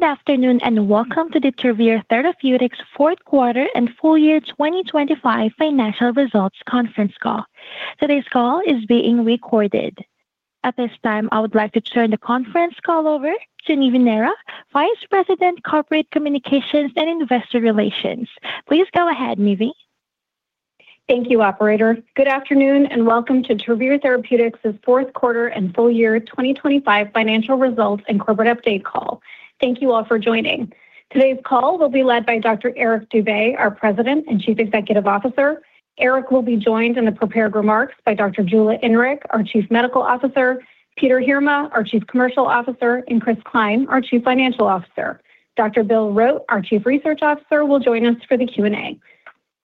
Good afternoon, and welcome to the Travere Therapeutics Fourth Quarter and Full-Year 2025 Financial Results Conference Call. Today's call is being recorded. At this time, I would like to turn the conference call over to Nivi Nehra, Vice President, Corporate Communications and Investor Relations. Please go ahead, Nivi. Thank you, operator. Good afternoon, and welcome to Travere Therapeutics' fourth quarter and full-year 2025 financial results and corporate update call. Thank you all for joining. Today's call will be led by Dr. Eric Dube, our President and Chief Executive Officer. Eric will be joined in the prepared remarks by Dr. Jula Inrig, our Chief Medical Officer, Peter Heerma, our Chief Commercial Officer, and Chris Cline, our Chief Financial Officer. Dr. Bill Rote, our Chief Research Officer, will join us for the Q&A.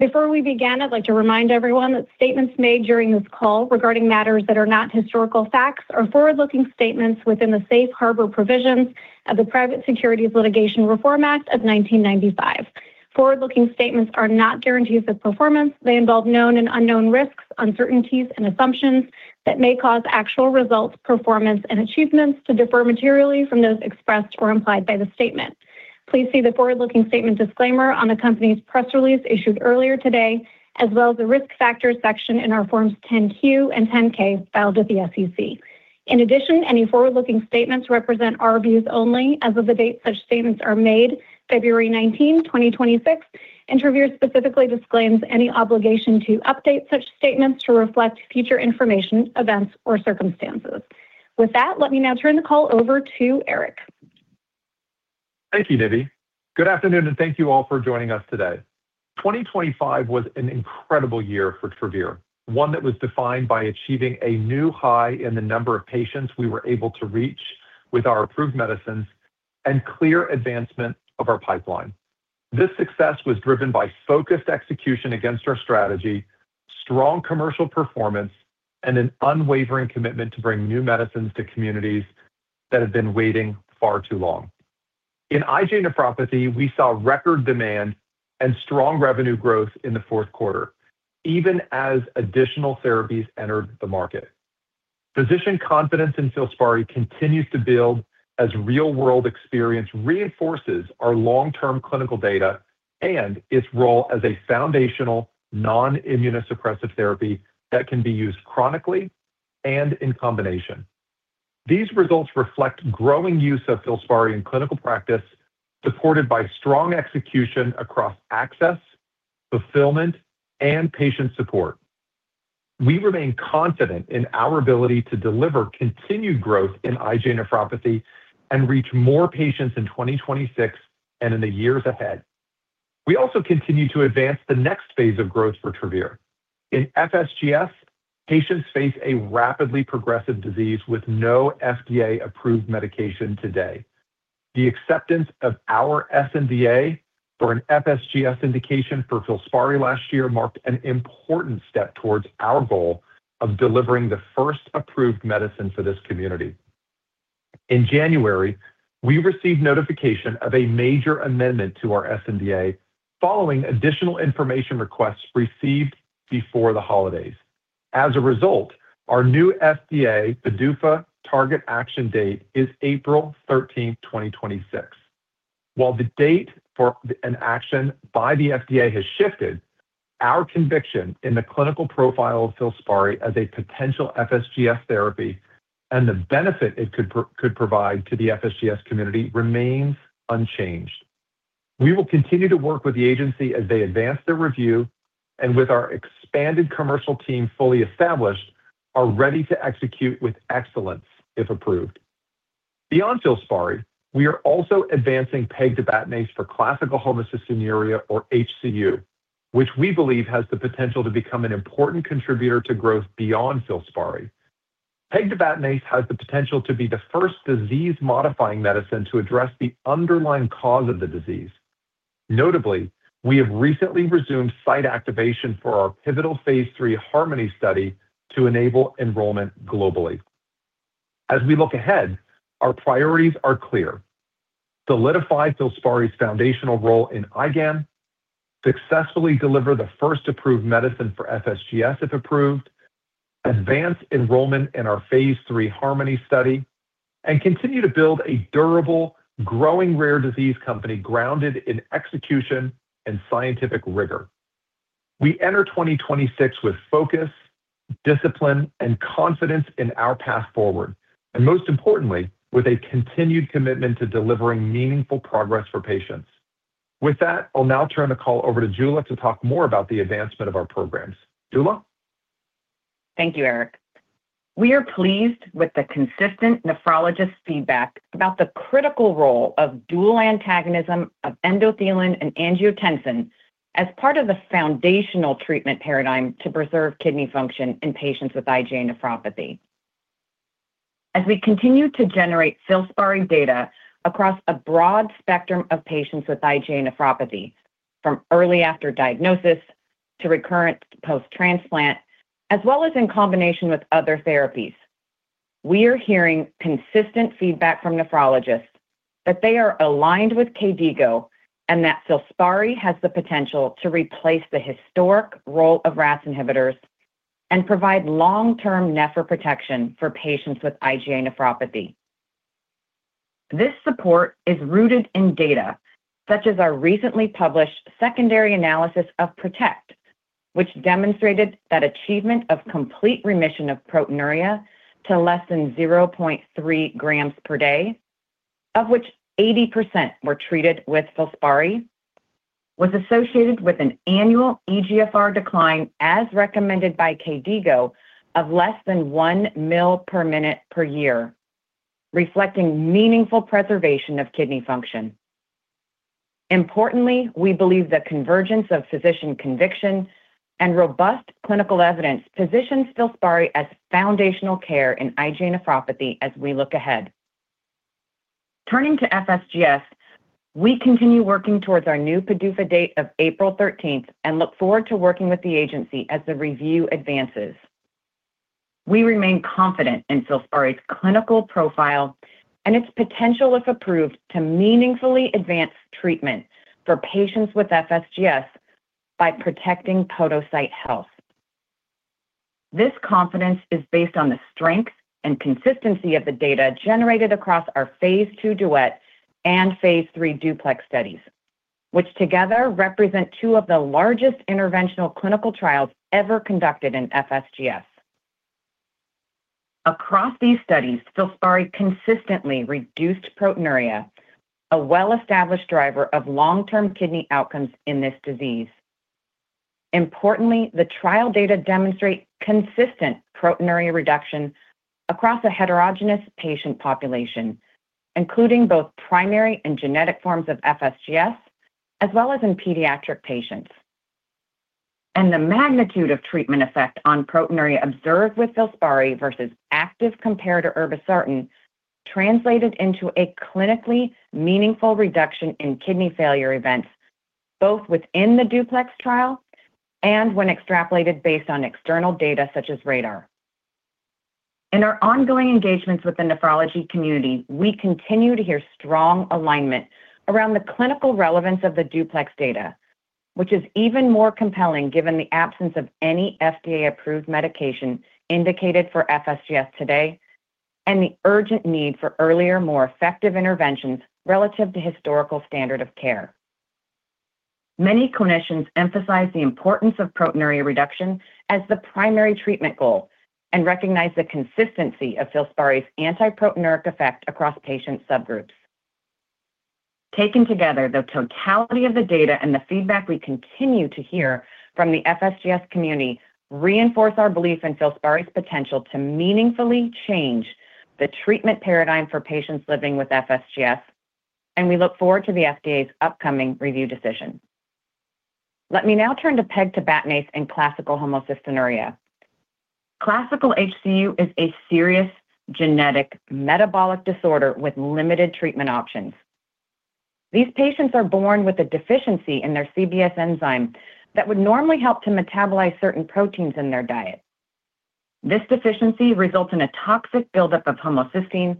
Before we begin, I'd like to remind everyone that statements made during this call regarding matters that are not historical facts are forward-looking statements within the safe harbor provisions of the Private Securities Litigation Reform Act of 1995. Forward-looking statements are not guarantees of performance. They involve known and unknown risks, uncertainties, and assumptions that may cause actual results, performance, and achievements to differ materially from those expressed or implied by the statement. Please see the forward-looking statement disclaimer on the company's press release issued earlier today, as well as the Risk Factors section in our Forms 10-Q and 10-K filed with the SEC. In addition, any forward-looking statements represent our views only as of the date such statements are made, February 19, 2026, and Travere specifically disclaims any obligation to update such statements to reflect future information, events, or circumstances. With that, let me now turn the call over to Eric. Thank you, Nivi. Good afternoon, and thank you all for joining us today. 2025 was an incredible year for Travere, one that was defined by achieving a new high in the number of patients we were able to reach with our approved medicines and clear advancement of our pipeline. This success was driven by focused execution against our strategy, strong commercial performance, and an unwavering commitment to bring new medicines to communities that have been waiting far too long. In IgA nephropathy, we saw record demand and strong revenue growth in the fourth quarter, even as additional therapies entered the market. Physician confidence in FILSPARI continues to build as real-world experience reinforces our long-term clinical data and its role as a foundational non-immunosuppressive therapy that can be used chronically and in combination. These results reflect growing use of FILSPARI in clinical practice, supported by strong execution across access, fulfillment, and patient support. We remain confident in our ability to deliver continued growth in IgA nephropathy and reach more patients in 2026 and in the years ahead. We also continue to advance the next phase of growth for Travere. In FSGS, patients face a rapidly progressive disease with no FDA-approved medication today. The acceptance of our sNDA for an FSGS indication for FILSPARI last year marked an important step towards our goal of delivering the first approved medicine for this community. In January, we received notification of a major amendment to our sNDA following additional information requests received before the holidays. As a result, our new FDA PDUFA target action date is April 13, 2026. While the date for an action by the FDA has shifted, our conviction in the clinical profile of FILSPARI as a potential FSGS therapy and the benefit it could provide to the FSGS community remains unchanged. We will continue to work with the agency as they advance their review, and with our expanded commercial team fully established, are ready to execute with excellence, if approved. Beyond FILSPARI, we are also advancing pegtibatinase for classical homocystinuria, or HCU, which we believe has the potential to become an important contributor to growth beyond FILSPARI. Pegtibatinase has the potential to be the first disease-modifying medicine to address the underlying cause of the disease. Notably, we have recently resumed site activation for our pivotal phase 3 HARMONY study to enable enrollment globally. As we look ahead, our priorities are clear: solidify FILSPARI's foundational role in IgAN, successfully deliver the first approved medicine for FSGS, if approved, advance enrollment in our Phase 3 HARMONY Study, and continue to build a durable, growing rare disease company grounded in execution and scientific rigor. We enter 2026 with focus, discipline, and confidence in our path forward, and most importantly, with a continued commitment to delivering meaningful progress for patients. With that, I'll now turn the call over to Jula to talk more about the advancement of our programs. Jula? Thank you, Eric. We are pleased with the consistent nephrologist feedback about the critical role of dual antagonism of endothelin and angiotensin as part of the foundational treatment paradigm to preserve kidney function in patients with IgA nephropathy. As we continue to generate FILSPARI data across a broad spectrum of patients with IgA nephropathy, from early after diagnosis to recurrent post-transplant, as well as in combination with other therapies, we are hearing consistent feedback from nephrologists that they are aligned with KDIGO and that FILSPARI has the potential to replace the historic role of RAS inhibitors and provide long-term nephroprotection for patients with IgA nephropathy. This support is rooted in data such as our recently published secondary analysis of PROTECT, which demonstrated that achievement of complete remission of proteinuria to less than 0.3 grams per day, of which 80% were treated with FILSPARI, was associated with an annual eGFR decline, as recommended by KDIGO, of less than 1 mL/min/year, reflecting meaningful preservation of kidney function. Importantly, we believe the convergence of physician conviction and robust clinical evidence positions FILSPARI as foundational care in IgA nephropathy as we look ahead. Turning to FSGS, we continue working towards our new PDUFA date of April 13 and look forward to working with the agency as the review advances. We remain confident in FILSPARI's clinical profile and its potential, if approved, to meaningfully advance treatment for patients with FSGS by protecting podocyte health. This confidence is based on the strength and consistency of the data generated across our phase II DUET and phase 3 DUPLEX studies, which together represent two of the largest interventional clinical trials ever conducted in FSGS. Across these studies, FILSPARI consistently reduced proteinuria, a well-established driver of long-term kidney outcomes in this disease. Importantly, the trial data demonstrate consistent proteinuria reduction across a heterogeneous patient population, including both primary and genetic forms of FSGS, as well as in pediatric patients. The magnitude of treatment effect on proteinuria observed with FILSPARI versus active comparator irbesartan translated into a clinically meaningful reduction in kidney failure events, both within the DUPLEX trial and when extrapolated based on external data such as RADAR. In our ongoing engagements with the nephrology community, we continue to hear strong alignment around the clinical relevance of the DUPLEX data, which is even more compelling given the absence of any FDA-approved medication indicated for FSGS today and the urgent need for earlier, more effective interventions relative to historical standard of care. Many clinicians emphasize the importance of proteinuria reduction as the primary treatment goal and recognize the consistency of FILSPARI's anti-proteinuric effect across patient subgroups. Taken together, the totality of the data and the feedback we continue to hear from the FSGS community reinforce our belief in FILSPARI's potential to meaningfully change the treatment paradigm for patients living with FSGS, and we look forward to the FDA's upcoming review decision. Let me now turn to pegtibatinase in classical homocystinuria. Classical HCU is a serious genetic metabolic disorder with limited treatment options. These patients are born with a deficiency in their CBS enzyme that would normally help to metabolize certain proteins in their diet. This deficiency results in a toxic buildup of homocysteine,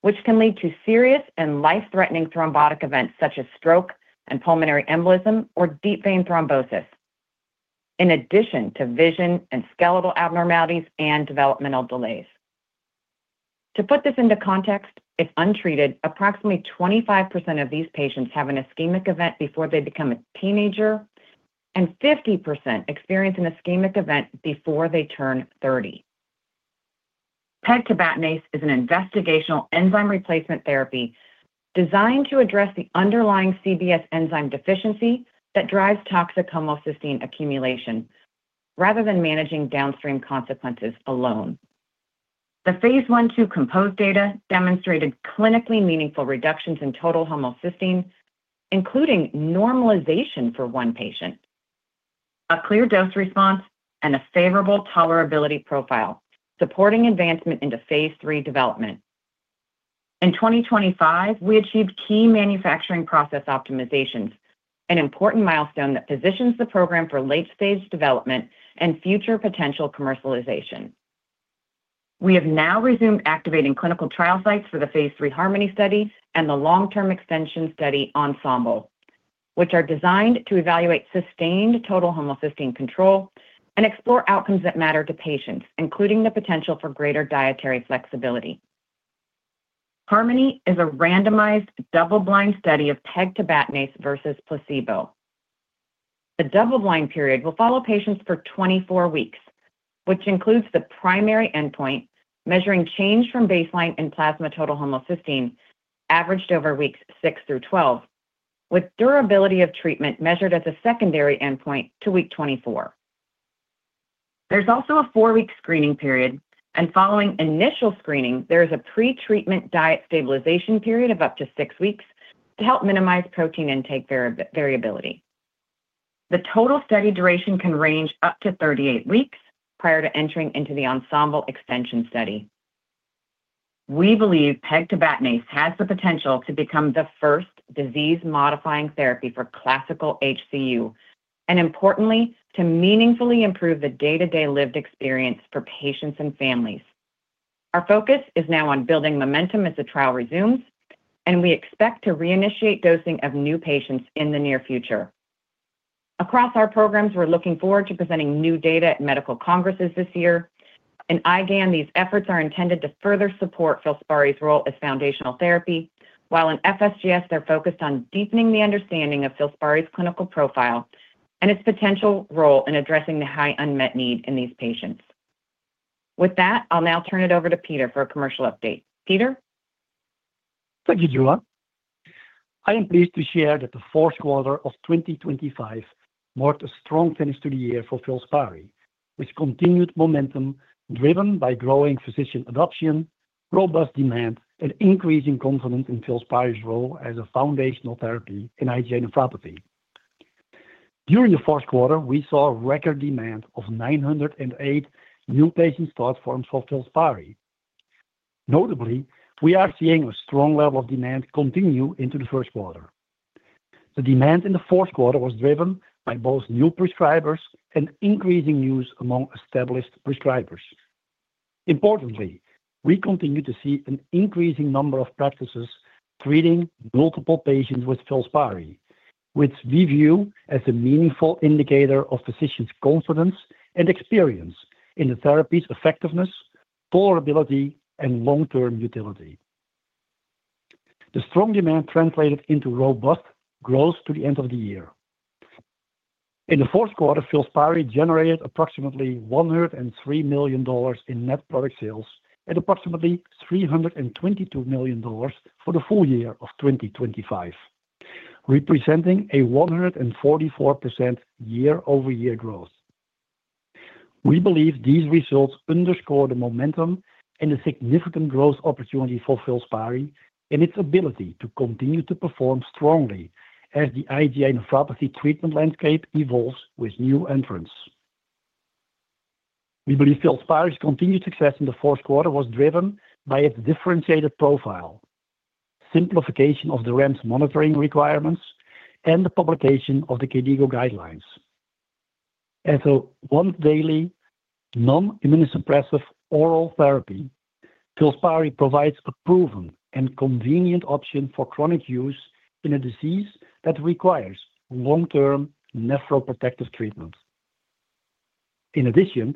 which can lead to serious and life-threatening thrombotic events such as stroke and pulmonary embolism or deep vein thrombosis, in addition to vision and skeletal abnormalities and developmental delays. To put this into context, if untreated, approximately 25% of these patients have an ischemic event before they become a teenager, and 50% experience an ischemic event before they turn thirty. Pegtibatinase is an investigational enzyme replacement therapy designed to address the underlying CBS enzyme deficiency that drives toxic homocysteine accumulation, rather than managing downstream consequences alone. The phase 1/2 COMPOSE data demonstrated clinically meaningful reductions in total homocysteine, including normalization for 1 patient, a clear dose response, and a favorable tolerability profile, supporting advancement into phase 3 development. In 2025, we achieved key manufacturing process optimizations, an important milestone that positions the program for late-stage development and future potential commercialization. We have now resumed activating clinical trial sites for the phase 3 HARMONY study and the long-term extension study, ENSEMBLE, which are designed to evaluate sustained total homocysteine control and explore outcomes that matter to patients, including the potential for greater dietary flexibility. HARMONY is a randomized, double-blind study of pegtibatinase versus placebo. The double-blind period will follow patients for 24 weeks, which includes the primary endpoint, measuring change from baseline in plasma total homocysteine averaged over weeks 6 through 12, with durability of treatment measured as a secondary endpoint to week 24. There's also a four-week screening period, and following initial screening, there is a pretreatment diet stabilization period of up to six weeks to help minimize protein intake variability. The total study duration can range up to 38 weeks prior to entering into the ENSEMBLE extension study. We believe pegtibatinase has the potential to become the first disease-modifying therapy for classical HCU, and importantly, to meaningfully improve the day-to-day lived experience for patients and families. Our focus is now on building momentum as the trial resumes, and we expect to reinitiate dosing of new patients in the near future. Across our programs, we're looking forward to presenting new data at medical congresses this year. In IgAN, these efforts are intended to further support FILSPARI's role as foundational therapy, while in FSGS, they're focused on deepening the understanding of FILSPARI's clinical profile and its potential role in addressing the high unmet need in these patients. With that, I'll now turn it over to Peter for a commercial update. Peter? Thank you, Jula. I am pleased to share that the fourth quarter of 2025 marked a strong finish to the year for FILSPARI, which continued momentum, driven by growing physician adoption, robust demand, and increasing confidence in FILSPARI's role as a foundational therapy in IgA nephropathy. During the fourth quarter, we saw a record demand of 908 new patient starts for FILSPARI. Notably, we are seeing a strong level of demand continue into the first quarter. The demand in the fourth quarter was driven by both new prescribers and increasing use among established prescribers. Importantly, we continue to see an increasing number of practices treating multiple patients with FILSPARI, which we view as a meaningful indicator of physicians' confidence and experience in the therapy's effectiveness, tolerability, and long-term utility. The strong demand translated into robust growth to the end of the year. In the fourth quarter, FILSPARI generated approximately $103 million in net product sales at approximately $322 million for the full-year of 2025, representing a 144% year-over-year growth. We believe these results underscore the momentum and the significant growth opportunity for FILSPARI in its ability to continue to perform strongly as the IgA nephropathy treatment landscape evolves with new entrants. We believe FILSPARI's continued success in the fourth quarter was driven by its differentiated profile, simplification of the REMS monitoring requirements, and the publication of the KDIGO guidelines. As a once-daily, non-immunosuppressive oral therapy, FILSPARI provides a proven and convenient option for chronic use in a disease that requires long-term nephroprotective treatment. In addition,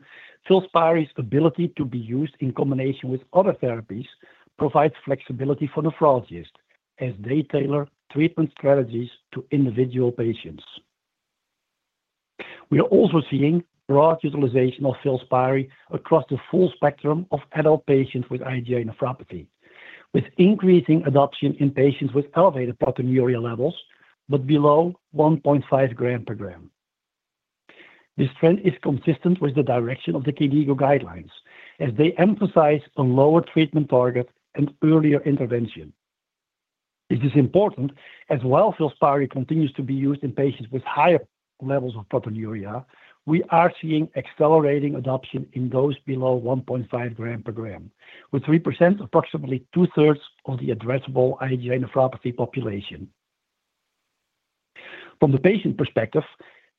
FILSPARI's ability to be used in combination with other therapies provides flexibility for nephrologists as they tailor treatment strategies to individual patients. We are also seeing broad utilization of FILSPARI across the full spectrum of adult patients with IgA Nephropathy, with increasing adoption in patients with elevated proteinuria levels, but below 1.5 gram per gram. This trend is consistent with the direction of the KDIGO guidelines, as they emphasize a lower treatment target and earlier intervention. It is important, as while FILSPARI continues to be used in patients with higher levels of proteinuria, we are seeing accelerating adoption in those below 1.5 gram per gram, which represents approximately two-thirds of the addressable IgA Nephropathy population. From the patient perspective,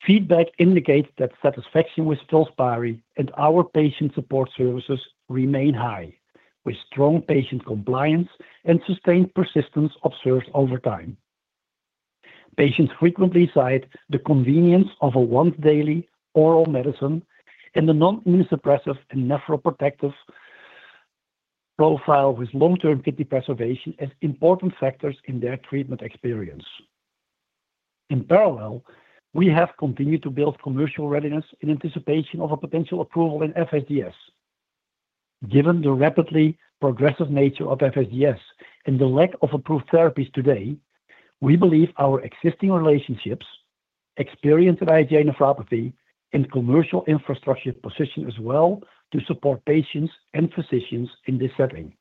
feedback indicates that satisfaction with FILSPARI and our patient support services remain high, with strong patient compliance and sustained persistence observed over time. Patients frequently cite the convenience of a once-daily oral medicine and the non-immunosuppressive and nephroprotective profile with long-term kidney preservation as important factors in their treatment experience. In parallel, we have continued to build commercial readiness in anticipation of a potential approval in FSGS. Given the rapidly progressive nature of FSGS and the lack of approved therapies today, we believe our existing relationships, experience with IgA nephropathy, and commercial infrastructure position us well to support patients and physicians in this setting.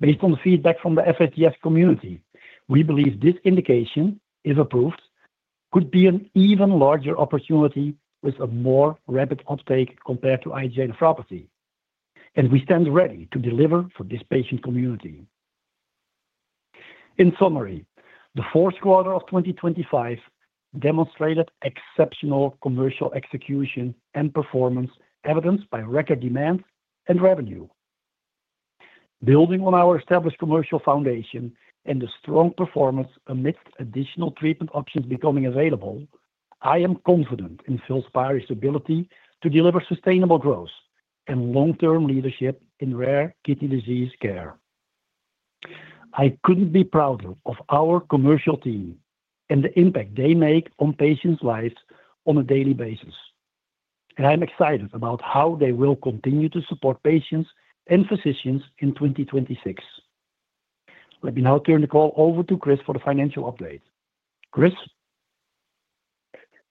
Based on the feedback from the FSGS community, we believe this indication, if approved, could be an even larger opportunity with a more rapid uptake compared to IgA nephropathy, and we stand ready to deliver for this patient community. In summary, the fourth quarter of 2025 demonstrated exceptional commercial execution and performance, evidenced by record demand and revenue. Building on our established commercial foundation and the strong performance amidst additional treatment options becoming available, I am confident in FILSPARI's ability to deliver sustainable growth and long-term leadership in rare kidney disease care. I couldn't be prouder of our commercial team and the impact they make on patients' lives on a daily basis, and I'm excited about how they will continue to support patients and physicians in 2026. Let me now turn the call over to Chris for the financial update. Chris?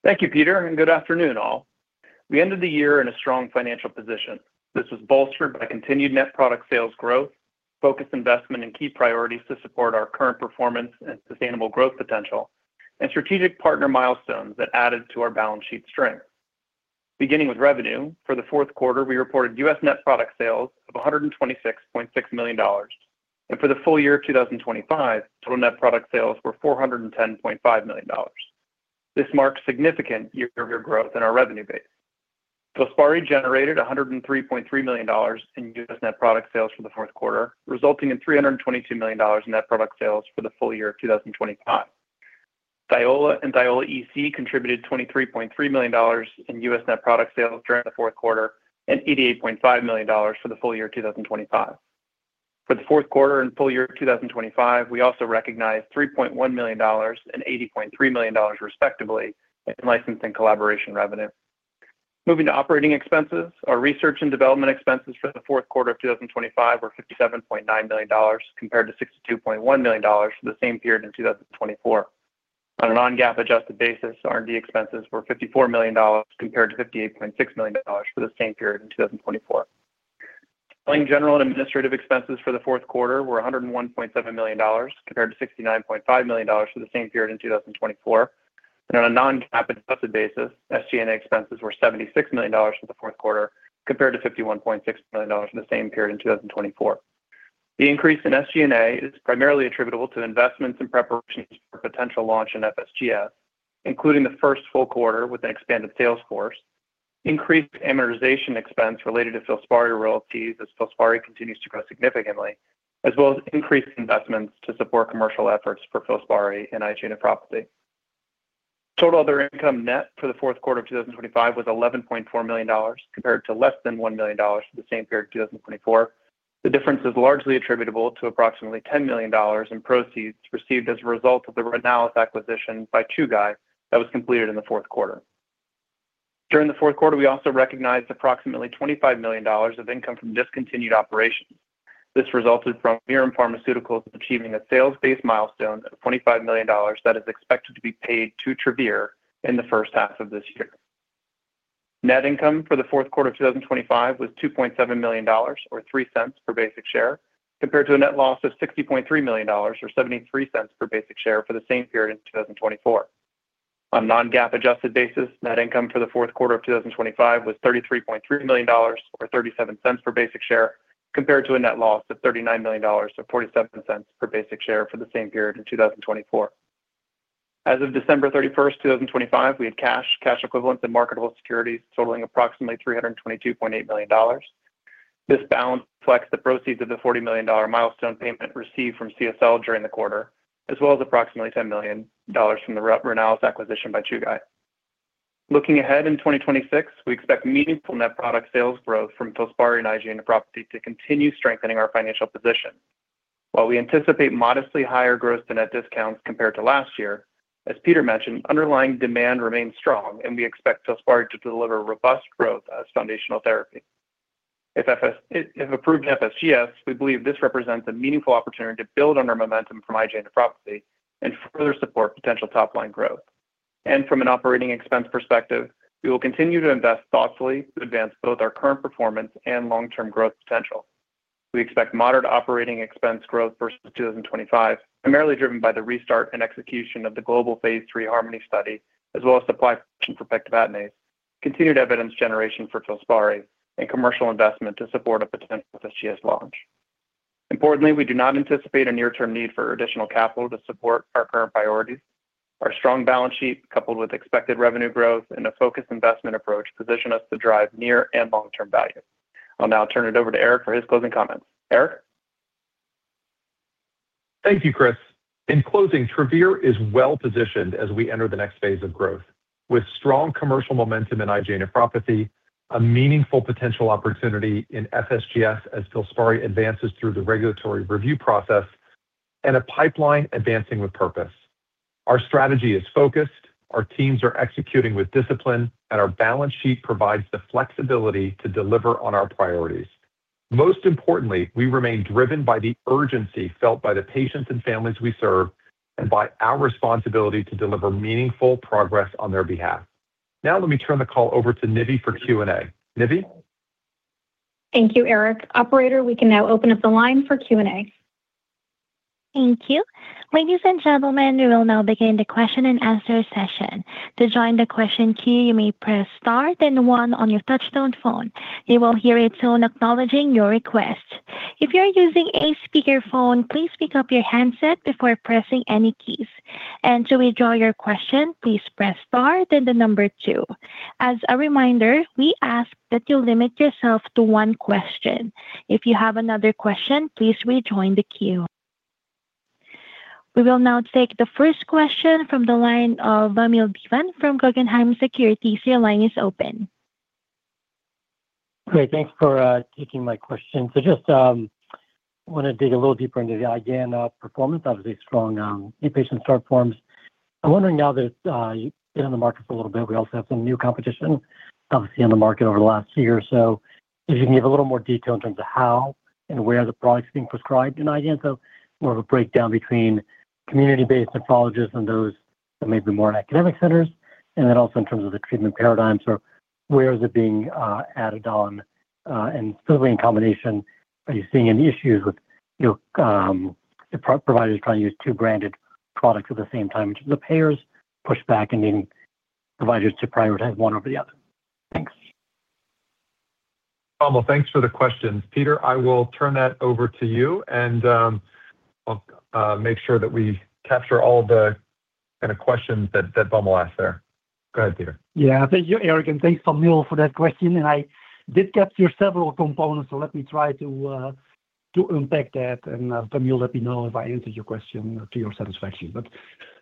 Thank you, Peter, and good afternoon, all. We ended the year in a strong financial position. This was bolstered by continued net product sales growth, focused investment in key priorities to support our current performance and sustainable growth potential, and strategic partner milestones that added to our balance sheet strength. Beginning with revenue, for the fourth quarter, we reported U.S. net product sales of $126.6 million, and for the full-year of 2025, total net product sales were $410.5 million. This marks significant year-over-year growth in our revenue base. FILSPARI generated $103.3 million in U.S. net product sales for the fourth quarter, resulting in $322 million in net product sales for the full-year of 2025. Thiola and Thiola EC contributed $23.3 million in U.S. net product sales during the fourth quarter and $88.5 million for the full-year 2025. For the fourth quarter and full-year 2025, we also recognized $3.1 million and $80.3 million, respectively, in license and collaboration revenue. Moving to operating expenses. Our research and development expenses for the fourth quarter of 2025 were $57.9 million, compared to $62.1 million for the same period in 2024. On a non-GAAP adjusted basis, R&D expenses were $54 million, compared to $58.6 million for the same period in 2024. Selling, general, and administrative expenses for the fourth quarter were $101.7 million, compared to $69.5 million for the same period in 2024. On a non-GAAP adjusted basis, SG&A expenses were $76 million for the fourth quarter, compared to $51.6 million in the same period in 2024. The increase in SG&A is primarily attributable to investments in preparations for potential launch in FSGS, including the first full quarter with an expanded sales force, increased amortization expense related to FILSPARI royalties as FILSPARI continues to grow significantly, as well as increased investments to support commercial efforts for FILSPARI and IgA nephropathy. Total other income net for the fourth quarter of 2025 was $11.4 million, compared to less than $1 million for the same period, 2024. The difference is largely attributable to approximately $10 million in proceeds received as a result of the Renalys acquisition by Chugai that was completed in the fourth quarter. During the fourth quarter, we also recognized approximately $25 million of income from discontinued operations. This resulted from Mirum Pharmaceuticals achieving a sales-based milestone of $25 million that is expected to be paid to Travere in the first half of this year. Net income for the fourth quarter of 2025 was $2.7 million, or $0.03 per basic share, compared to a net loss of $60.3 million, or $0.73 per basic share, for the same period in 2024. On a non-GAAP adjusted basis, net income for the fourth quarter of 2025 was $33.3 million, or $0.37 per basic share, compared to a net loss of $39 million, so $0.47 per basic share for the same period in 2024. As of December 31, 2025, we had cash, cash equivalents, and marketable securities totaling approximately $322.8 million. This balance reflects the proceeds of the $40 million milestone payment received from CSL during the quarter, as well as approximately $10 million from the Renalys acquisition by Chugai. Looking ahead in 2026, we expect meaningful net product sales growth from FILSPARI and IgA nephropathy to continue strengthening our financial position. While we anticipate modestly higher gross to net discounts compared to last year, as Peter mentioned, underlying demand remains strong, and we expect FILSPARI to deliver robust growth as foundational therapy. If approved FSGS, we believe this represents a meaningful opportunity to build on our momentum from IgA nephropathy and further support potential top-line growth. From an operating expense perspective, we will continue to invest thoughtfully to advance both our current performance and long-term growth potential. We expect moderate operating expense growth versus 2025, primarily driven by the restart and execution of the global phase 3 HARMONY study, as well as supply for pegtibatinase, continued evidence generation for FILSPARI, and commercial investment to support a potential FSGS launch. Importantly, we do not anticipate a near-term need for additional capital to support our current priorities. Our strong balance sheet, coupled with expected revenue growth and a focused investment approach, position us to drive near and long-term value. I'll now turn it over to Eric for his closing comments. Eric? Thank you, Chris. In closing, Travere is well-positioned as we enter the next phase of growth, with strong commercial momentum in IgA Nephropathy, a meaningful potential opportunity in FSGS as FILSPARI advances through the regulatory review process, and a pipeline advancing with purpose. Our strategy is focused, our teams are executing with discipline, and our balance sheet provides the flexibility to deliver on our priorities. Most importantly, we remain driven by the urgency felt by the patients and families we serve and by our responsibility to deliver meaningful progress on their behalf. Now, let me turn the call over to Nivi for Q&A. Nivi? Thank you, Eric. Operator, we can now open up the line for Q&A. Thank you. Ladies and gentlemen, we will now begin the question-and-answer session. To join the question queue, you may press star then one on your touchtone phone. You will hear a tone acknowledging your request. If you are using a speakerphone, please pick up your handset before pressing any keys. To withdraw your question, please press star, then the number two. As a reminder, we ask that you limit yourself to one question. If you have another question, please rejoin the queue. We will now take the first question from the line of Vamil Divan from Guggenheim Securities. Your line is open. Great. Thanks for taking my question. So just wanna dig a little deeper into the IgA performance. Obviously, strong inpatient start forms. I'm wondering now that you've been on the market for a little bit, we also have some new competition, obviously, on the market over the last year or so. If you can give a little more detail in terms of how and where the product is being prescribed in IgA? So more of a breakdown between community-based nephrologists and those that may be more in academic centers, and then also in terms of the treatment paradigm. So where is it being added on, and certainly in combination, are you seeing any issues with, you know, the providers trying to use two branded products at the same time? Do the payers push back and needing providers to prioritize one over the other?... Vamil, thanks for the questions. Peter, I will turn that over to you, and I'll make sure that we capture all the kind of questions that Vamil asked there. Go ahead, Peter. Yeah. Thank you, Eric, and thanks, Vamil, for that question, and I did capture several components, so let me try to unpack that. And, Vamil, let me know if I answered your question to your satisfaction. But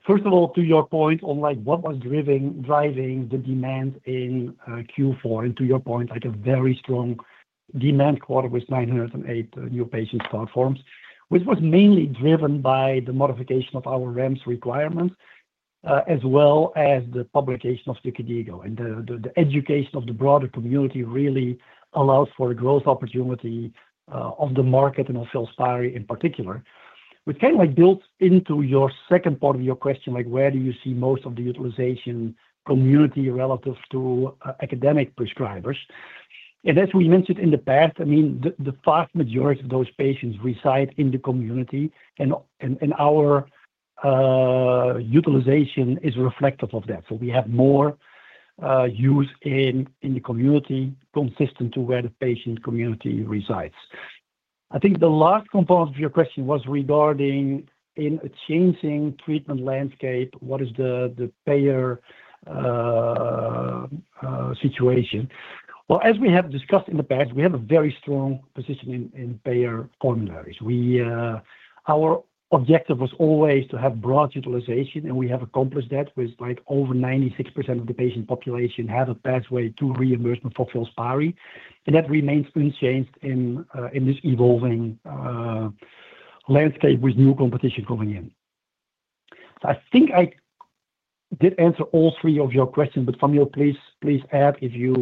first of all, to your point on, like, what was driving the demand in Q4, and to your point, like a very strong demand quarter with 908 new patient start forms, which was mainly driven by the modification of our REMS requirements, as well as the publication of the KDIGO. And the education of the broader community really allows for a growth opportunity of the market and of FILSPARI in particular. Which kind of like builds into your second part of your question, like, where do you see most of the utilization community relative to academic prescribers? As we mentioned in the past, I mean, the vast majority of those patients reside in the community, and our utilization is reflective of that. So we have more use in the community consistent to where the patient community resides. I think the last component of your question was regarding in a changing treatment landscape, what is the payer situation? Well, as we have discussed in the past, we have a very strong position in payer boundaries. Our objective was always to have broad utilization, and we have accomplished that, with, like, over 96% of the patient population have a pathway to reimbursement for FILSPARI, and that remains unchanged in this evolving landscape with new competition coming in. I think I did answer all three of your questions, but Vamil, please, please add if you,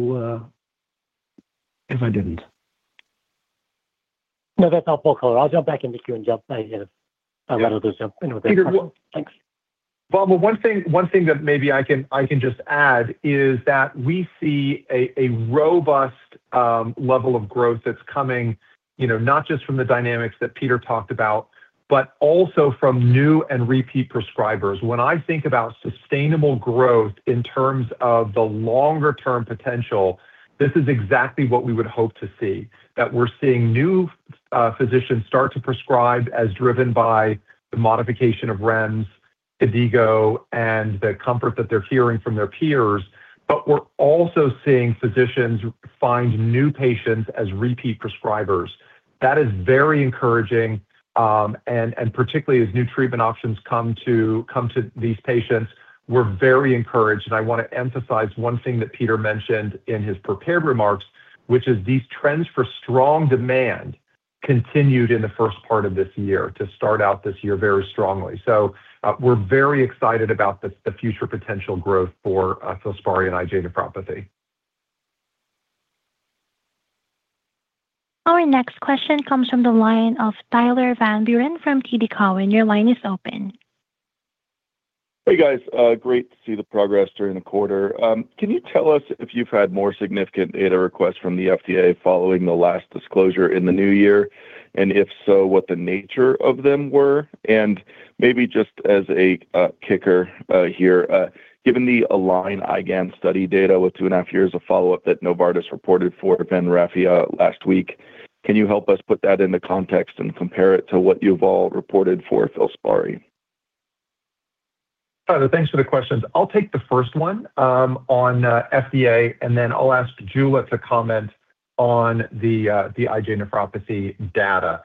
if I didn't. No, that's helpful. I'll jump back into queue and jump by if I want to do so. Okay. Thanks. Vamil, one thing that maybe I can just add is that we see a robust level of growth that's coming, you know, not just from the dynamics that Peter talked about, but also from new and repeat prescribers. When I think about sustainable growth in terms of the longer-term potential, this is exactly what we would hope to see, that we're seeing new physicians start to prescribe as driven by the modification of REMS, KDIGO, and the comfort that they're hearing from their peers. But we're also seeing physicians find new patients as repeat prescribers. That is very encouraging, and particularly as new treatment options come to these patients, we're very encouraged. I want to emphasize one thing that Peter mentioned in his prepared remarks, which is these trends for strong demand continued in the first part of this year, to start out this year very strongly. So, we're very excited about the future potential growth for FILSPARI and IgA nephropathy. Our next question comes from the line of Tyler Van Buren from TD Cowen. Your line is open. Hey, guys. Great to see the progress during the quarter. Can you tell us if you've had more significant data requests from the FDA following the last disclosure in the new year? And if so, what the nature of them were? And maybe just as a kicker, here, given the ALIGN IgAN study data with two and a half years of follow-up that Novartis reported for atrasentan last week, can you help us put that into context and compare it to what you've all reported for FILSPARI? Thanks for the questions. I'll take the first one, on FDA, and then I'll ask Jula to comment on the IgA nephropathy data.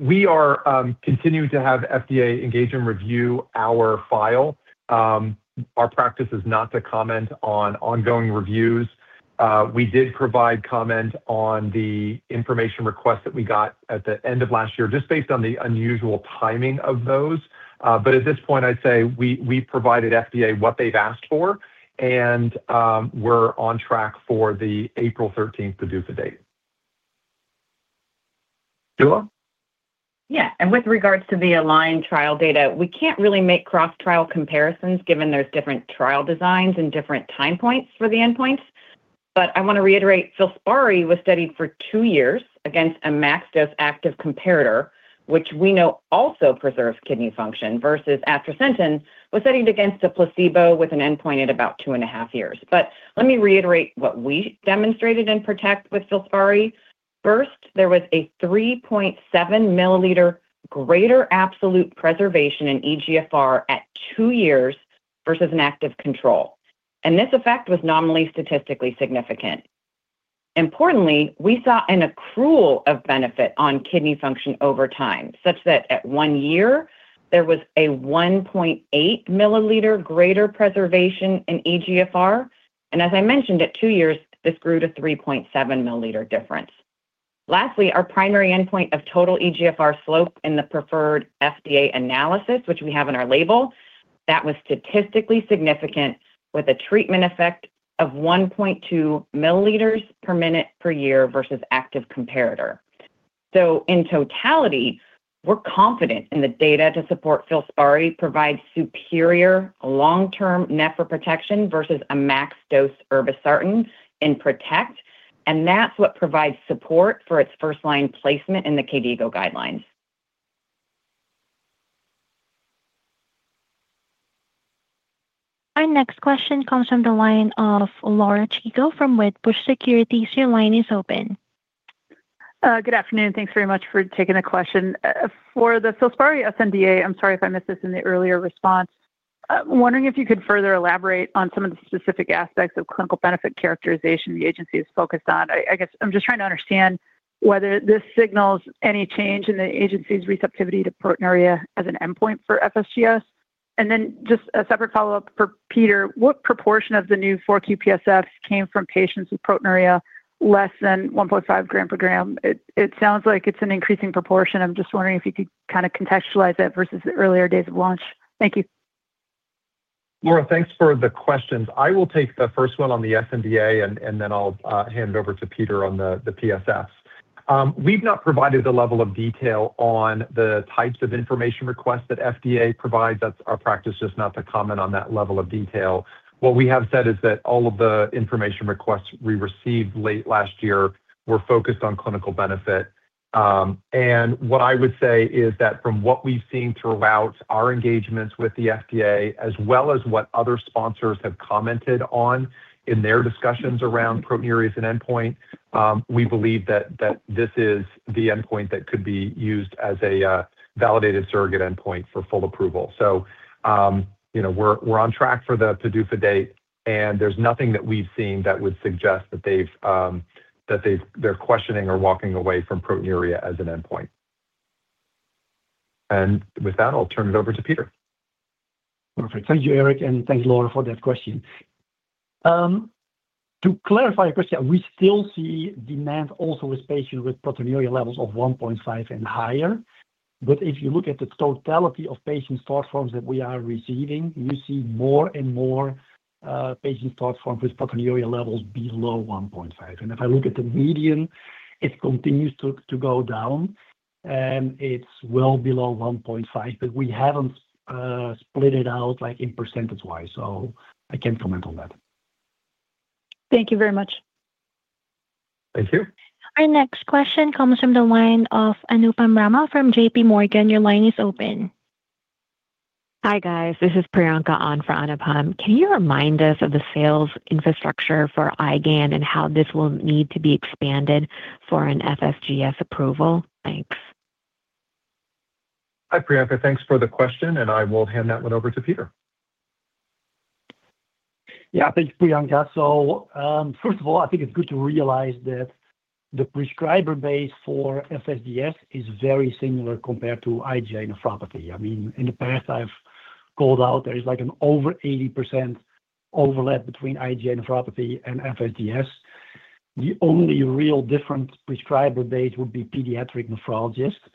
We are continuing to have FDA engage and review our file. Our practice is not to comment on ongoing reviews. We did provide comment on the information request that we got at the end of last year, just based on the unusual timing of those. But at this point, I'd say we, we've provided FDA what they've asked for, and we're on track for the April thirteenth to do the date. Jula? Yeah, with regards to the ALIGN trial data, we can't really make cross-trial comparisons, given there's different trial designs and different time points for the endpoints. I want to reiterate, FILSPARI was studied for two years against a max dose active comparator, which we know also preserves kidney function, versus atrasentan was studied against a placebo with an endpoint at about two and a half years. Let me reiterate what we demonstrated in PROTECT with FILSPARI. First, there was a 3.7 milliliter greater absolute preservation in eGFR at two years versus an active control, and this effect was nominally statistically significant. Importantly, we saw an accrual of benefit on kidney function over time, such that at one year there was a 1.8 milliliter greater preservation in eGFR, and as I mentioned, at two years, this grew to a 3.7 milliliter difference. Lastly, our primary endpoint of total eGFR slope in the preferred FDA analysis, which we have in our label, that was statistically significant with a treatment effect of 1.2 milliliters per minute per year versus active comparator. So in totality, we're confident in the data to support FILSPARI provide superior long-term nephroprotection versus a max dose irbesartan in PROTECT, and that's what provides support for its first-line placement in the KDIGO guidelines. Our next question comes from the line of Laura Chico from Wedbush Securities. Your line is open. Good afternoon, thanks very much for taking the question. For the FILSPARI sNDA, I'm sorry if I missed this in the earlier response. Wondering if you could further elaborate on some of the specific aspects of clinical benefit characterization the agency is focused on. I guess I'm just trying to understand whether this signals any change in the agency's receptivity to proteinuria as an endpoint for FSGS. And then just a separate follow-up for Peter: What proportion of the new 4Q PSFs came from patients with proteinuria less than 1.5 gram per gram? It sounds like it's an increasing proportion. I'm just wondering if you could kind of contextualize it versus the earlier days of launch. Thank you. Laura, thanks for the questions. I will take the first one on the sNDA, and then I'll hand it over to Peter on the PSFs. We've not provided the level of detail on the types of information requests that FDA provides. That's our practice, just not to comment on that level of detail. What we have said is that all of the information requests we received late last year were focused on clinical benefit. What I would say is that from what we've seen throughout our engagements with the FDA, as well as what other sponsors have commented on in their discussions around proteinuria as an endpoint, we believe that this is the endpoint that could be used as a validated surrogate endpoint for full approval. So, you know, we're on track for the PDUFA date, and there's nothing that we've seen that would suggest that they've they're questioning or walking away from proteinuria as an endpoint. And with that, I'll turn it over to Peter. Perfect. Thank you, Eric, and thanks, Laura, for that question. To clarify your question, we still see demand also with patients with proteinuria levels of 1.5 and higher. But if you look at the totality of patient start forms that we are receiving, you see more and more, patient start forms with proteinuria levels below 1.5. And if I look at the median, it continues to, to go down, and it's well below 1.5, but we haven't, split it out, like, in percentage-wise, so I can't comment on that. Thank you very much. Thank you. Our next question comes from the line of Anupam Rama from JP Morgan. Your line is open. Hi, guys. This is Priyanka on for Anupam. Can you remind us of the sales infrastructure for IgAN and how this will need to be expanded for an FSGS approval? Thanks. Hi, Priyanka. Thanks for the question, and I will hand that one over to Peter. Yeah, thanks, Priyanka. So, first of all, I think it's good to realize that the prescriber base for FSGS is very similar compared to IgA nephropathy. I mean, in the past, I've called out there is, like, an over 80% overlap between IgA nephropathy and FSGS. The only real different prescriber base would be pediatric nephrologists.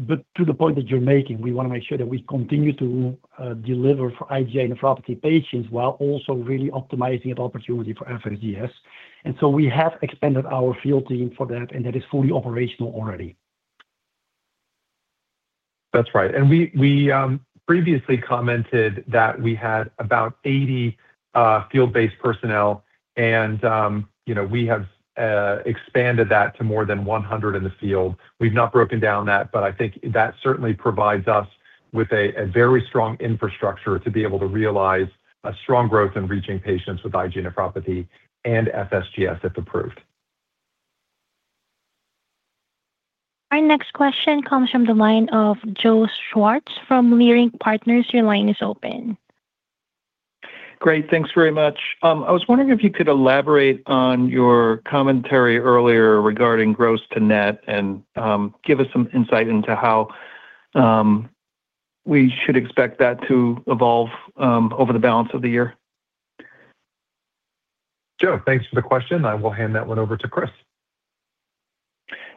But to the point that you're making, we wanna make sure that we continue to deliver for IgA nephropathy patients, while also really optimizing the opportunity for FSGS. And so we have expanded our field team for that, and that is fully operational already. That's right. And we previously commented that we had about 80 field-based personnel and, you know, we have expanded that to more than 100 in the field. We've not broken down that, but I think that certainly provides us with a very strong infrastructure to be able to realize a strong growth in reaching patients with IgA nephropathy and FSGS, if approved. Our next question comes from the line of Joe Schwartz from Leerink Partners. Your line is open. Great, thanks very much. I was wondering if you could elaborate on your commentary earlier regarding gross to net and give us some insight into how we should expect that to evolve over the balance of the year? Joe, thanks for the question. I will hand that one over to Chris.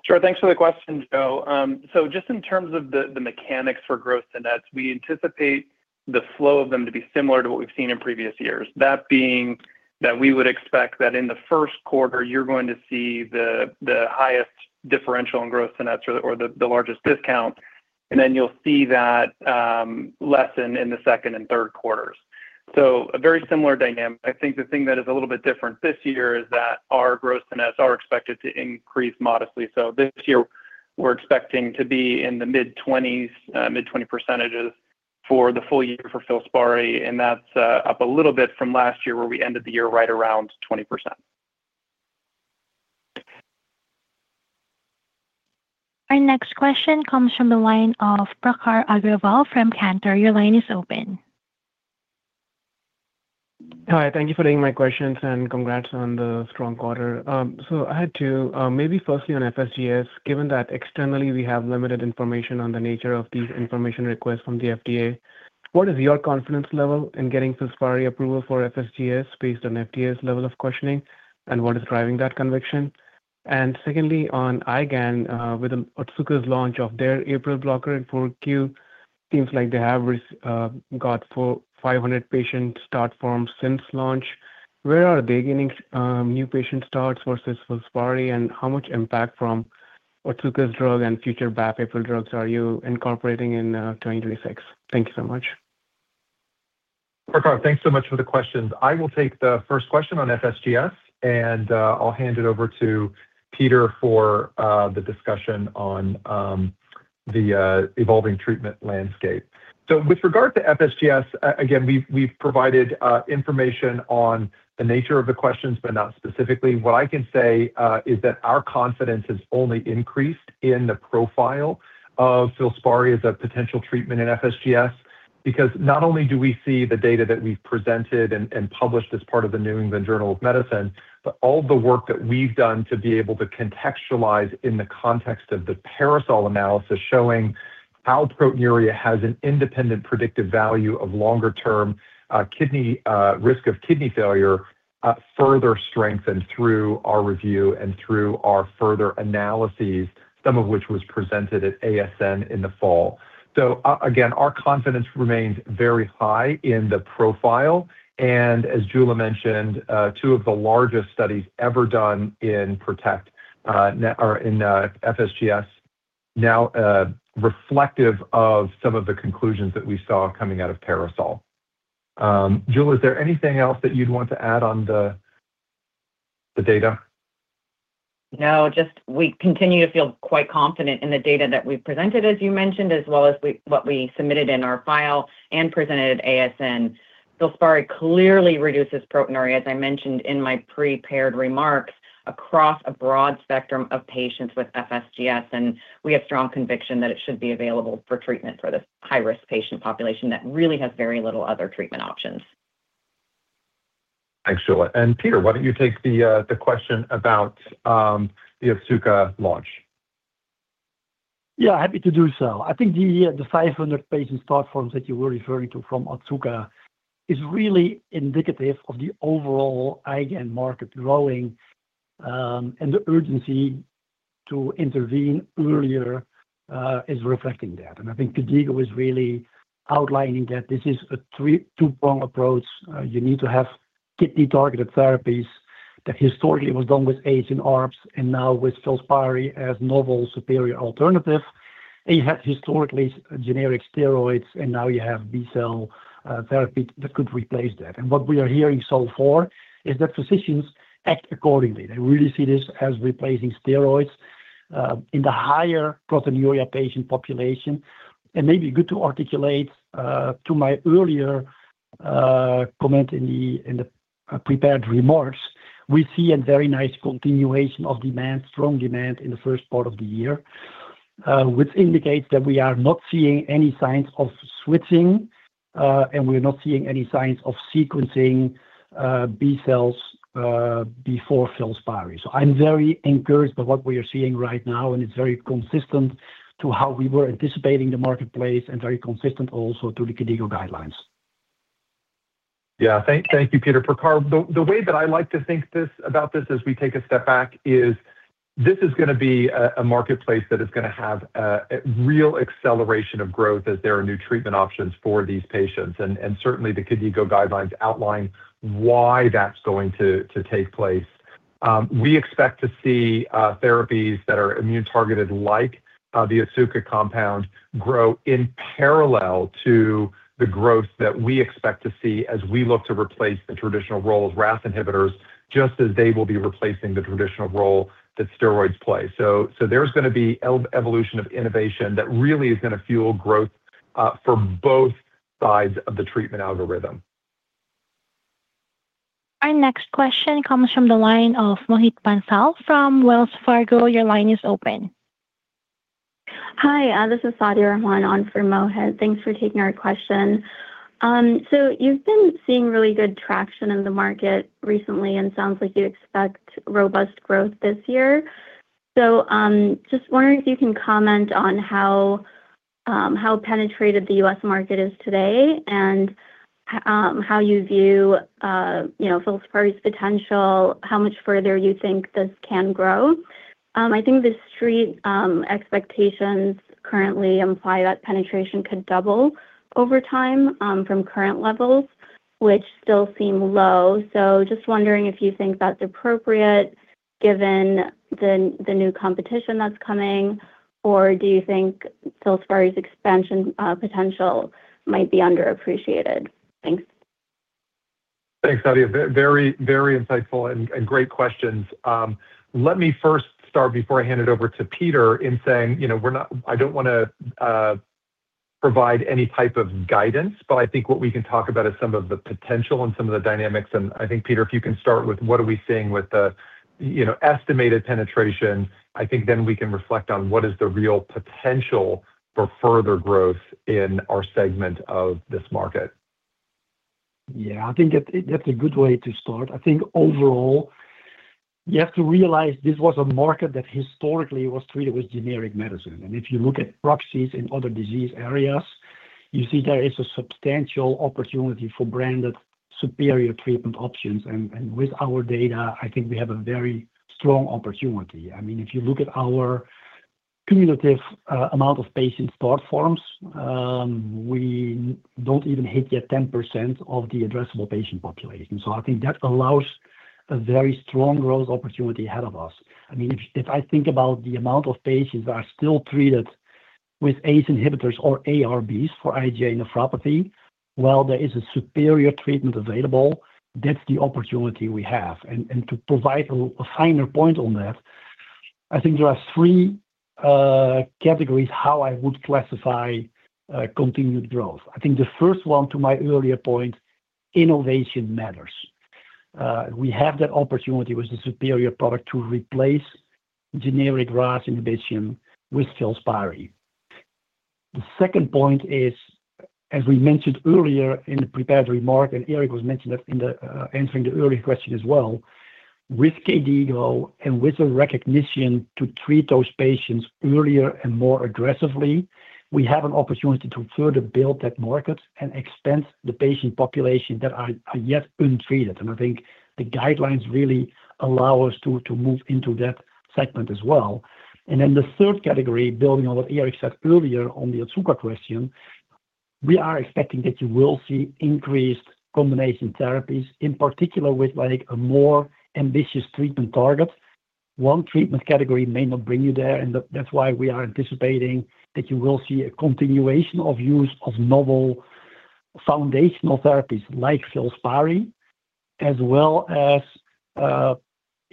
Sure. Thanks for the question, Joe. So just in terms of the mechanics for gross to nets, we anticipate the flow of them to be similar to what we've seen in previous years. That being that we would expect that in the first quarter, you're going to see the highest differential in gross to nets or the largest discount, and then you'll see that lessen in the second and third quarters. So a very similar dynamic. I think the thing that is a little bit different this year is that our gross to nets are expected to increase modestly. So this year we're expecting to be in the mid-20s, mid-20% for the full-year for FILSPARI, and that's up a little bit from last year, where we ended the year right around 20%. Our next question comes from the line of Prakhar Agrawal from Cantor. Your line is open. Hi, thank you for taking my questions, and congrats on the strong quarter. So I had two. Maybe firstly on FSGS, given that externally we have limited information on the nature of these information requests from the FDA, what is your confidence level in getting FILSPARI approval for FSGS based on FDA's level of questioning, and what is driving that conviction? And secondly, on IgAN, with Otsuka's launch of their APRIL blocker in Q4, seems like they have got 400-500 patient start forms since launch. Where are they getting new patient starts versus FILSPARI, and how much impact from Otsuka's drug and future B-cell drugs are you incorporating in 2026? Thank you so much. Prakhar, thanks so much for the questions. I will take the first question on FSGS, and I'll hand it over to Peter for the discussion on IgAN, the evolving treatment landscape. With regard to FSGS, again, we've provided information on the nature of the questions, but not specifically. What I can say is that our confidence has only increased in the profile of FILSPARI as a potential treatment in FSGS. Because not only do we see the data that we've presented and, and published as part of the New England Journal of Medicine, but all the work that we've done to be able to contextualize in the context of the PARASOL analysis, showing how proteinuria has an independent predictive value of longer-term, kidney, risk of kidney failure, further strengthened through our review and through our further analyses, some of which was presented at ASN in the fall. So, again, our confidence remains very high in the profile, and as Jula mentioned, two of the largest studies ever done in PROTECT, are in, FSGS, now, reflective of some of the conclusions that we saw coming out of PARASOL. Jula, is there anything else that you'd want to add on the data? No, just we continue to feel quite confident in the data that we've presented, as you mentioned, as well as what we submitted in our file and presented at ASN. FILSPARI clearly reduces proteinuria, as I mentioned in my prepared remarks, across a broad spectrum of patients with FSGS, and we have strong conviction that it should be available for treatment for this high-risk patient population that really has very little other treatment options. Thanks, Jula. And Peter, why don't you take the question about the Otsuka launch? Yeah, happy to do so. I think the, the 500-page platforms that you were referring to from Otsuka is really indicative of the overall IgAN market growing, and the urgency to intervene earlier, is reflecting that. And I think KDIGO is really outlining that this is a three... two-prong approach. You need to have kidney-targeted therapies that historically was done with ACE and ARBs, and now with FILSPARI as novel, superior alternative. And you have historically generic steroids, and now you have B-cell, therapy that could replace that. And what we are hearing so far is that physicians act accordingly. They really see this as replacing steroids, in the higher proteinuria patient population. It may be good to articulate to my earlier comment in the prepared remarks, we see a very nice continuation of demand, strong demand in the first part of the year, which indicates that we are not seeing any signs of switching, and we're not seeing any signs of sequencing B-cell before FILSPARI. So I'm very encouraged by what we are seeing right now, and it's very consistent to how we were anticipating the marketplace and very consistent also to the KDIGO guidelines. Yeah. Thank you, Peter. Prakhar, the way that I like to think about this as we take a step back is this is gonna be a marketplace that is gonna have a real acceleration of growth as there are new treatment options for these patients. And certainly the KDIGO guidelines outline why that's going to take place. We expect to see therapies that are immune-targeted, like the Otsuka compound, grow in parallel to the growth that we expect to see as we look to replace the traditional role of RAS inhibitors, just as they will be replacing the traditional role that steroids play. So there's gonna be evolution of innovation that really is gonna fuel growth for both sides of the treatment algorithm. Our next question comes from the line of Mohit Bansal from Wells Fargo. Your line is open. Hi, this is Sadia Rahman on for Mohit. Thanks for taking our question. So, you've been seeing really good traction in the market recently, and it sounds like you expect robust growth this year. So, just wondering if you can comment on how, how penetrated the U.S. market is today, and, how you view, you know, FILSPARI's potential, how much further you think this can grow? I think the street expectations currently imply that penetration could double over time, from current levels, which still seem low. So just wondering if you think that's appropriate given the, the new competition that's coming, or do you think FILSPARI's expansion, potential might be underappreciated? Thanks. Thanks, Sadia. Very, very insightful and great questions. Let me first start before I hand it over to Peter, in saying, you know, we're not-- I don't wanna provide any type of guidance, but I think what we can talk about is some of the potential and some of the dynamics. I think, Peter, if you can start with what are we seeing with the, you know, estimated penetration, I think then we can reflect on what is the real potential for further growth in our segment of this market. Yeah, I think that, that's a good way to start. I think overall, you have to realize this was a market that historically was treated with generic medicine. And if you look at proxies in other disease areas, you see there is a substantial opportunity for branded superior treatment options. And, and with our data, I think we have a very strong opportunity. I mean, if you look at our cumulative amount of patient start forms, we don't even hit yet 10% of the addressable patient population. So I think that allows a very strong growth opportunity ahead of us. I mean, if, if I think about the amount of patients that are still treated with ACE inhibitors or ARBs for IgA nephropathy, while there is a superior treatment available, that's the opportunity we have. And, and to provide a finer point on that-... I think there are three categories how I would classify continued growth. I think the first one, to my earlier point, innovation matters. We have that opportunity with the superior product to replace generic RAS inhibition with FILSPARI. The second point is, as we mentioned earlier in the prepared remark, and Eric was mentioning that in the answering the earlier question as well, with KDIGO and with the recognition to treat those patients earlier and more aggressively, we have an opportunity to further build that market and expand the patient population that are yet untreated. And I think the guidelines really allow us to move into that segment as well. And then the third category, building on what Eric said earlier on the Otsuka question, we are expecting that you will see increased combination therapies, in particular with, like, a more ambitious treatment target. One treatment category may not bring you there, and that's why we are anticipating that you will see a continuation of use of novel foundational therapies like FILSPARI, as well as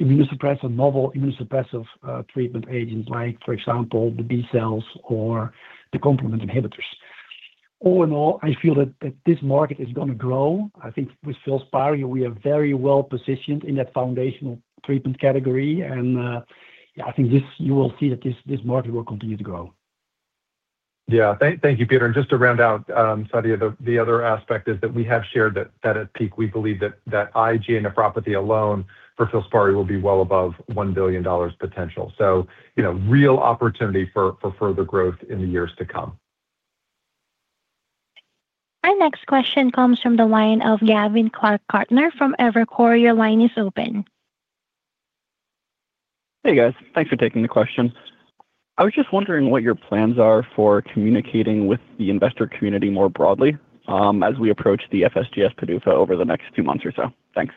immunosuppressant, novel immunosuppressive treatment agents like, for example, the B-cells or the complement inhibitors. All in all, I feel that this market is gonna grow. I think with FILSPARI, we are very well-positioned in that foundational treatment category, and yeah, I think you will see that this market will continue to grow. Yeah. Thank you, Peter. And just to round out, Sadia, the other aspect is that we have shared that at peak, we believe that IgA nephropathy alone for FILSPARI will be well above $1 billion potential. So, you know, real opportunity for further growth in the years to come. Our next question comes from the line of Gavin Clark-Gartner from Evercore. Your line is open. Hey, guys. Thanks for taking the question. I was just wondering what your plans are for communicating with the investor community more broadly, as we approach the FSGS PDUFA over the next two months or so? Thanks.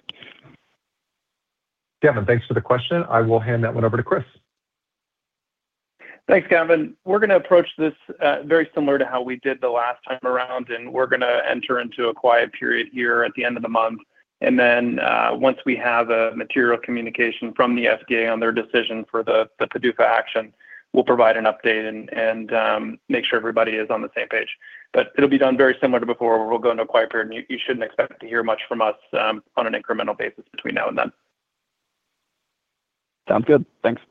Gavin, thanks for the question. I will hand that one over to Chris. Thanks, Gavin. We're gonna approach this very similar to how we did the last time around, and we're gonna enter into a quiet period here at the end of the month. And then, once we have a material communication from the FDA on their decision for the PDUFA action, we'll provide an update and make sure everybody is on the same page. But it'll be done very similar to before, where we'll go into a quiet period, and you shouldn't expect to hear much from us on an incremental basis between now and then. Sounds good. Thanks.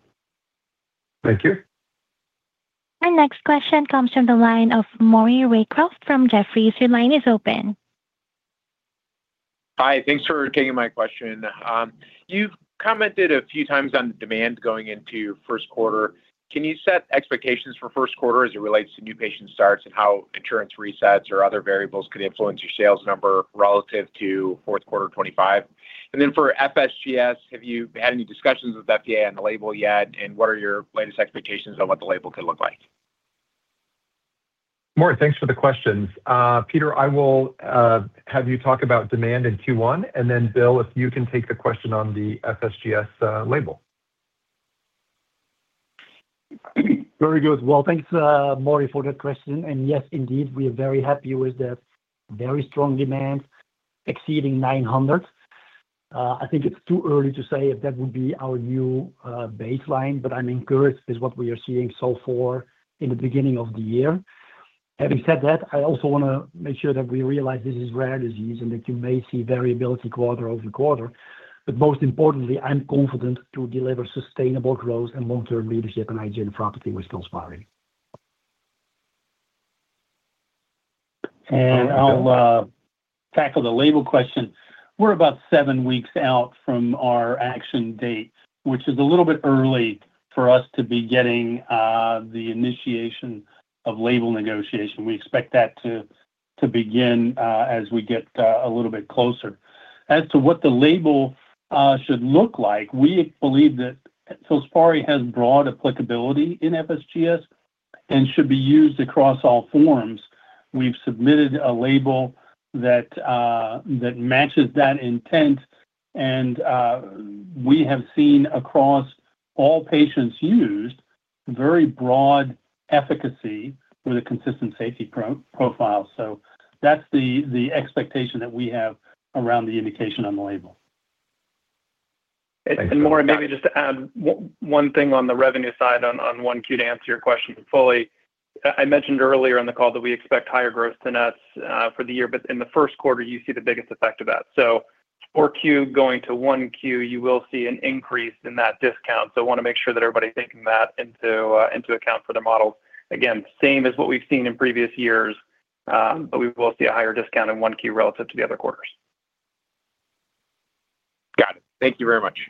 Thank you. Our next question comes from the line of Maury Raycroft from Jefferies. Your line is open. Hi, thanks for taking my question. You've commented a few times on the demand going into first quarter. Can you set expectations for first quarter as it relates to new patient starts and how insurance resets or other variables could influence your sales number relative to fourth quarter 2025? And then for FSGS, have you had any discussions with FDA on the label yet, and what are your latest expectations on what the label could look like? Maury, thanks for the questions. Peter, I will have you talk about demand in Q1, and then, Bill, if you can take the question on the FSGS label. Very good. Well, thanks, Maury, for that question. Yes, indeed, we are very happy with the very strong demand exceeding 900. I think it's too early to say if that would be our new baseline, but I'm encouraged with what we are seeing so far in the beginning of the year. Having said that, I also want to make sure that we realize this is rare disease and that you may see variability quarter-over-quarter. Most importantly, I'm confident to deliver sustainable growth and long-term leadership in IgA nephropathy with FILSPARI. And I'll Tackle the label question. We're about seven weeks out from our action date, which is a little bit early for us to be getting the initiation of label negotiation. We expect that to begin as we get a little bit closer. As to what the label should look like, we believe that FILSPARI has broad applicability in FSGS and should be used across all forms. We've submitted a label that that matches that intent, and we have seen across all patients used, very broad efficacy with a consistent safety profile. So that's the expectation that we have around the indication on the label. Thanks, Maury. Maury, maybe just to add one thing on the revenue side on 1Q, to answer your question fully. I mentioned earlier on the call that we expect higher gross to net for the year, but in the first quarter, you see the biggest effect of that. So 4Q going to 1Q, you will see an increase in that discount. So I wanna make sure that everybody's taking that into account for the models. Again, same as what we've seen in previous years, but we will see a higher discount in 1Q relative to the other quarters. Got it. Thank you very much.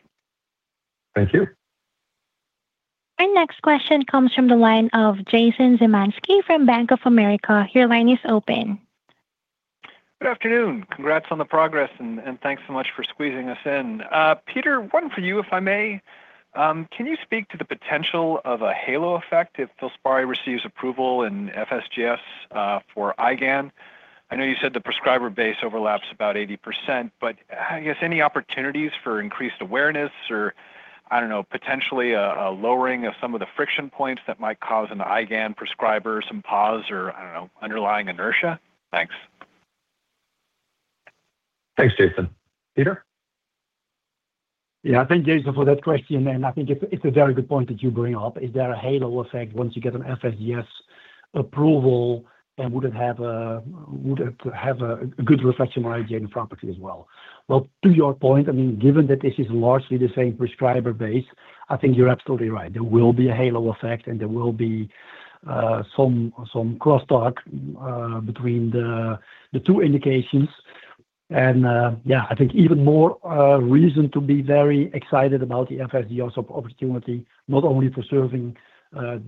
Thank you. Our next question comes from the line of Jason Zemansky from Bank of America. Your line is open. Good afternoon. Congrats on the progress, and thanks so much for squeezing us in. Peter, one for you, if I may. Can you speak to the potential of a halo effect if FILSPARI receives approval in FSGS for IgAN? I know you said the prescriber base overlaps about 80%, but I guess, any opportunities for increased awareness or, I don't know, potentially a lowering of some of the friction points that might cause an IgAN prescriber some pause or, I don't know, underlying inertia? Thanks. ... Thanks, Jason. Peter? Yeah, thank Jason for that question, and I think it's a very good point that you bring up. Is there a halo effect once you get an FSGS approval, and would it have a good reflection on IgA nephropathy as well? Well, to your point, I mean, given that this is largely the same prescriber base, I think you're absolutely right. There will be a halo effect, and there will be some crosstalk between the two indications. And yeah, I think even more reason to be very excited about the FSGS opportunity, not only for serving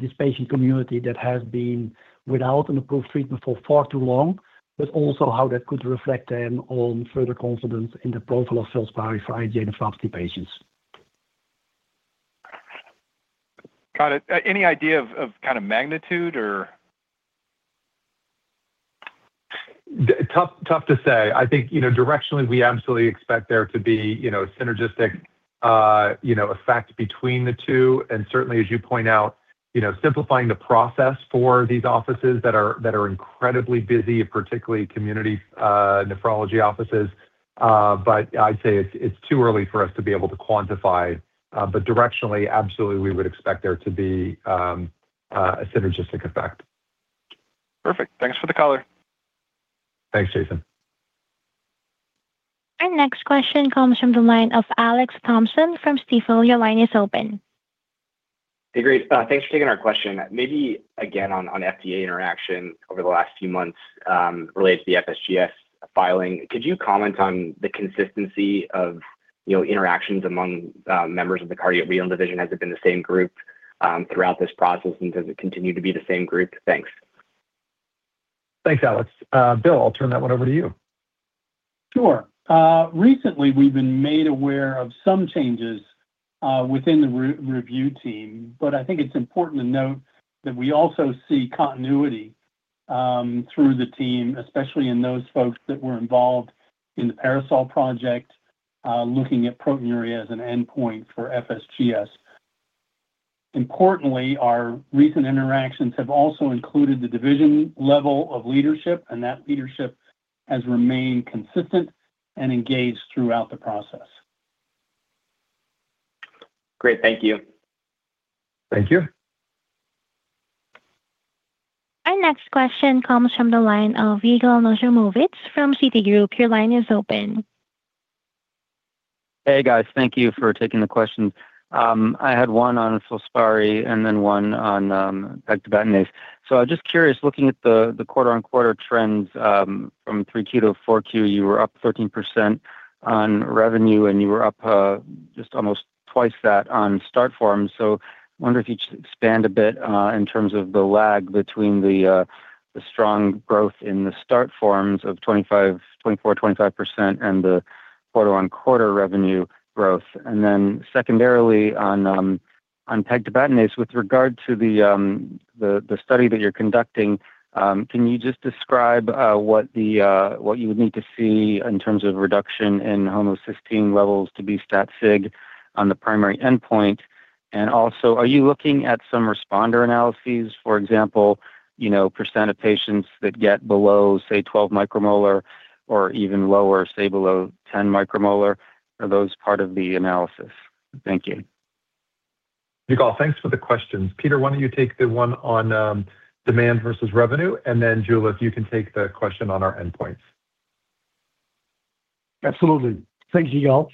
this patient community that has been without an approved treatment for far too long, but also how that could reflect then on further confidence in the profile of sales for IgA nephropathy patients. Got it. Any idea of, of kind of magnitude or? Tough, tough to say. I think, you know, directionally, we absolutely expect there to be, you know, synergistic, you know, effect between the two. And certainly, as you point out, you know, simplifying the process for these offices that are incredibly busy, particularly community nephrology offices. But I'd say it's too early for us to be able to quantify, but directionally, absolutely, we would expect there to be a synergistic effect. Perfect. Thanks for the color. Thanks, Jason. Our next question comes from the line of Alex Thompson from Stifel. Your line is open. Hey, great. Thanks for taking our question. Maybe again on, on FDA interaction over the last few months, related to the FSGS filing. Could you comment on the consistency of, you know, interactions among, members of the Cardio-Renal division? Has it been the same group, throughout this process, and does it continue to be the same group? Thanks. Thanks, Alex. Bill, I'll turn that one over to you. Sure. Recently we've been made aware of some changes within the review team, but I think it's important to note that we also see continuity through the team, especially in those folks that were involved in the PARASOL project, looking at proteinuria as an endpoint for FSGS. Importantly, our recent interactions have also included the division level of leadership, and that leadership has remained consistent and engaged throughout the process. Great, thank you. Thank you. Our next question comes from the line of Yigal Nochomovitz from Citigroup. Your line is open. Hey, guys. Thank you for taking the question. I had one on FILSPARI and then one on pegtibatinase. So I'm just curious, looking at the quarter-over-quarter trends from Q3 to Q4, you were up 13% on revenue, and you were up just almost twice that on start forms. So I wonder if you could expand a bit in terms of the lag between the strong growth in the start forms of 25, 24, 25% and the quarter-over-quarter revenue growth. And then secondarily on pegtibatinase, with regard to the study that you're conducting, can you just describe what you would need to see in terms of reduction in homocysteine levels to be stat sig on the primary endpoint? Also, are you looking at some responder analyses, for example, you know, % of patients that get below, say, 12 micromolar or even lower, say, below 10 micromolar? Are those part of the analysis? Thank you. Yigal, thanks for the questions. Peter, why don't you take the one on demand versus revenue, and then, Jula, if you can take the question on our endpoints. Absolutely. Thank you, Yigal.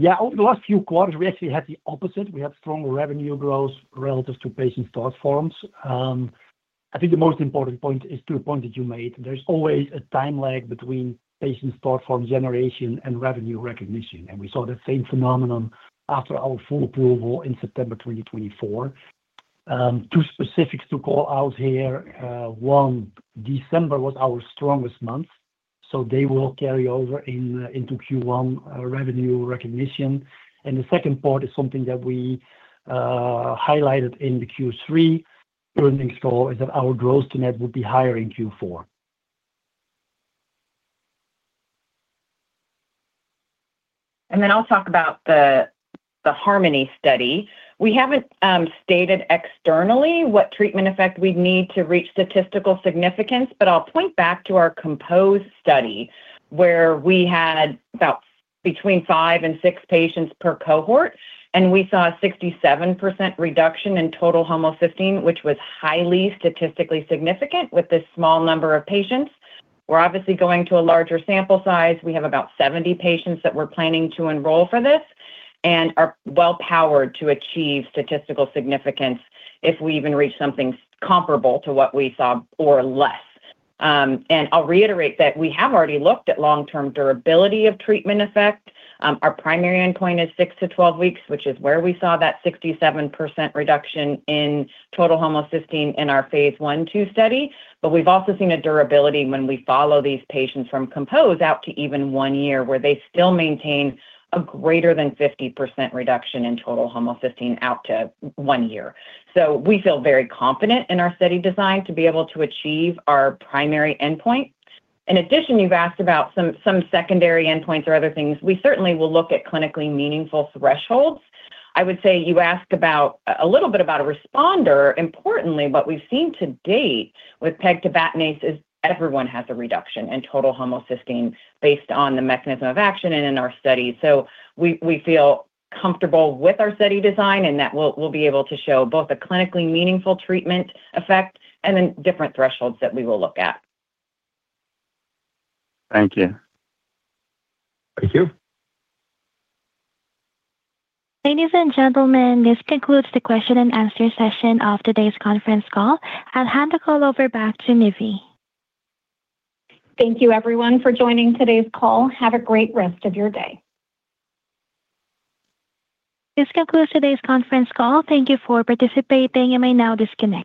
Yeah, over the last few quarters, we actually had the opposite. We had strong revenue growth relative to patient start forms. I think the most important point is to the point that you made. There's always a time lag between patient start form generation and revenue recognition, and we saw the same phenomenon after our full approval in September 2024. Two specifics to call out here. One, December was our strongest month, so they will carry over into Q1 revenue recognition. And the second part is something that we highlighted in the Q3 earnings call, is that our growth to net would be higher in Q4. Then I'll talk about the Harmony study. We haven't stated externally what treatment effect we'd need to reach statistical significance, but I'll point back to our COMPOSE study, where we had about between 5 and 6 patients per cohort, and we saw a 67% reduction in total homocysteine, which was highly statistically significant with this small number of patients. We're obviously going to a larger sample size. We have about 70 patients that we're planning to enroll for this and are well-powered to achieve statistical significance if we even reach something comparable to what we saw or less. And I'll reiterate that we have already looked at long-term durability of treatment effect. Our primary endpoint is 6 to 12 weeks, which is where we saw that 67% reduction in total homocysteine in our phase I/II study. But we've also seen a durability when we follow these patients from COMPOSE out to even one year, where they still maintain a greater than 50% reduction in total homocysteine out to one year. So we feel very confident in our study design to be able to achieve our primary endpoint. In addition, you've asked about some secondary endpoints or other things. We certainly will look at clinically meaningful thresholds. I would say you ask about a little bit about a responder. Importantly, what we've seen to date with pegtibatinase is everyone has a reduction in total homocysteine based on the mechanism of action and in our study. So we feel comfortable with our study design and that we'll be able to show both a clinically meaningful treatment effect and the different thresholds that we will look at. Thank you. Thank you. Ladies and gentlemen, this concludes the question and answer session of today's conference call. I'll hand the call over back to Nivi. Thank you, everyone, for joining today's call. Have a great rest of your day. This concludes today's conference call. Thank you for participating. You may now disconnect.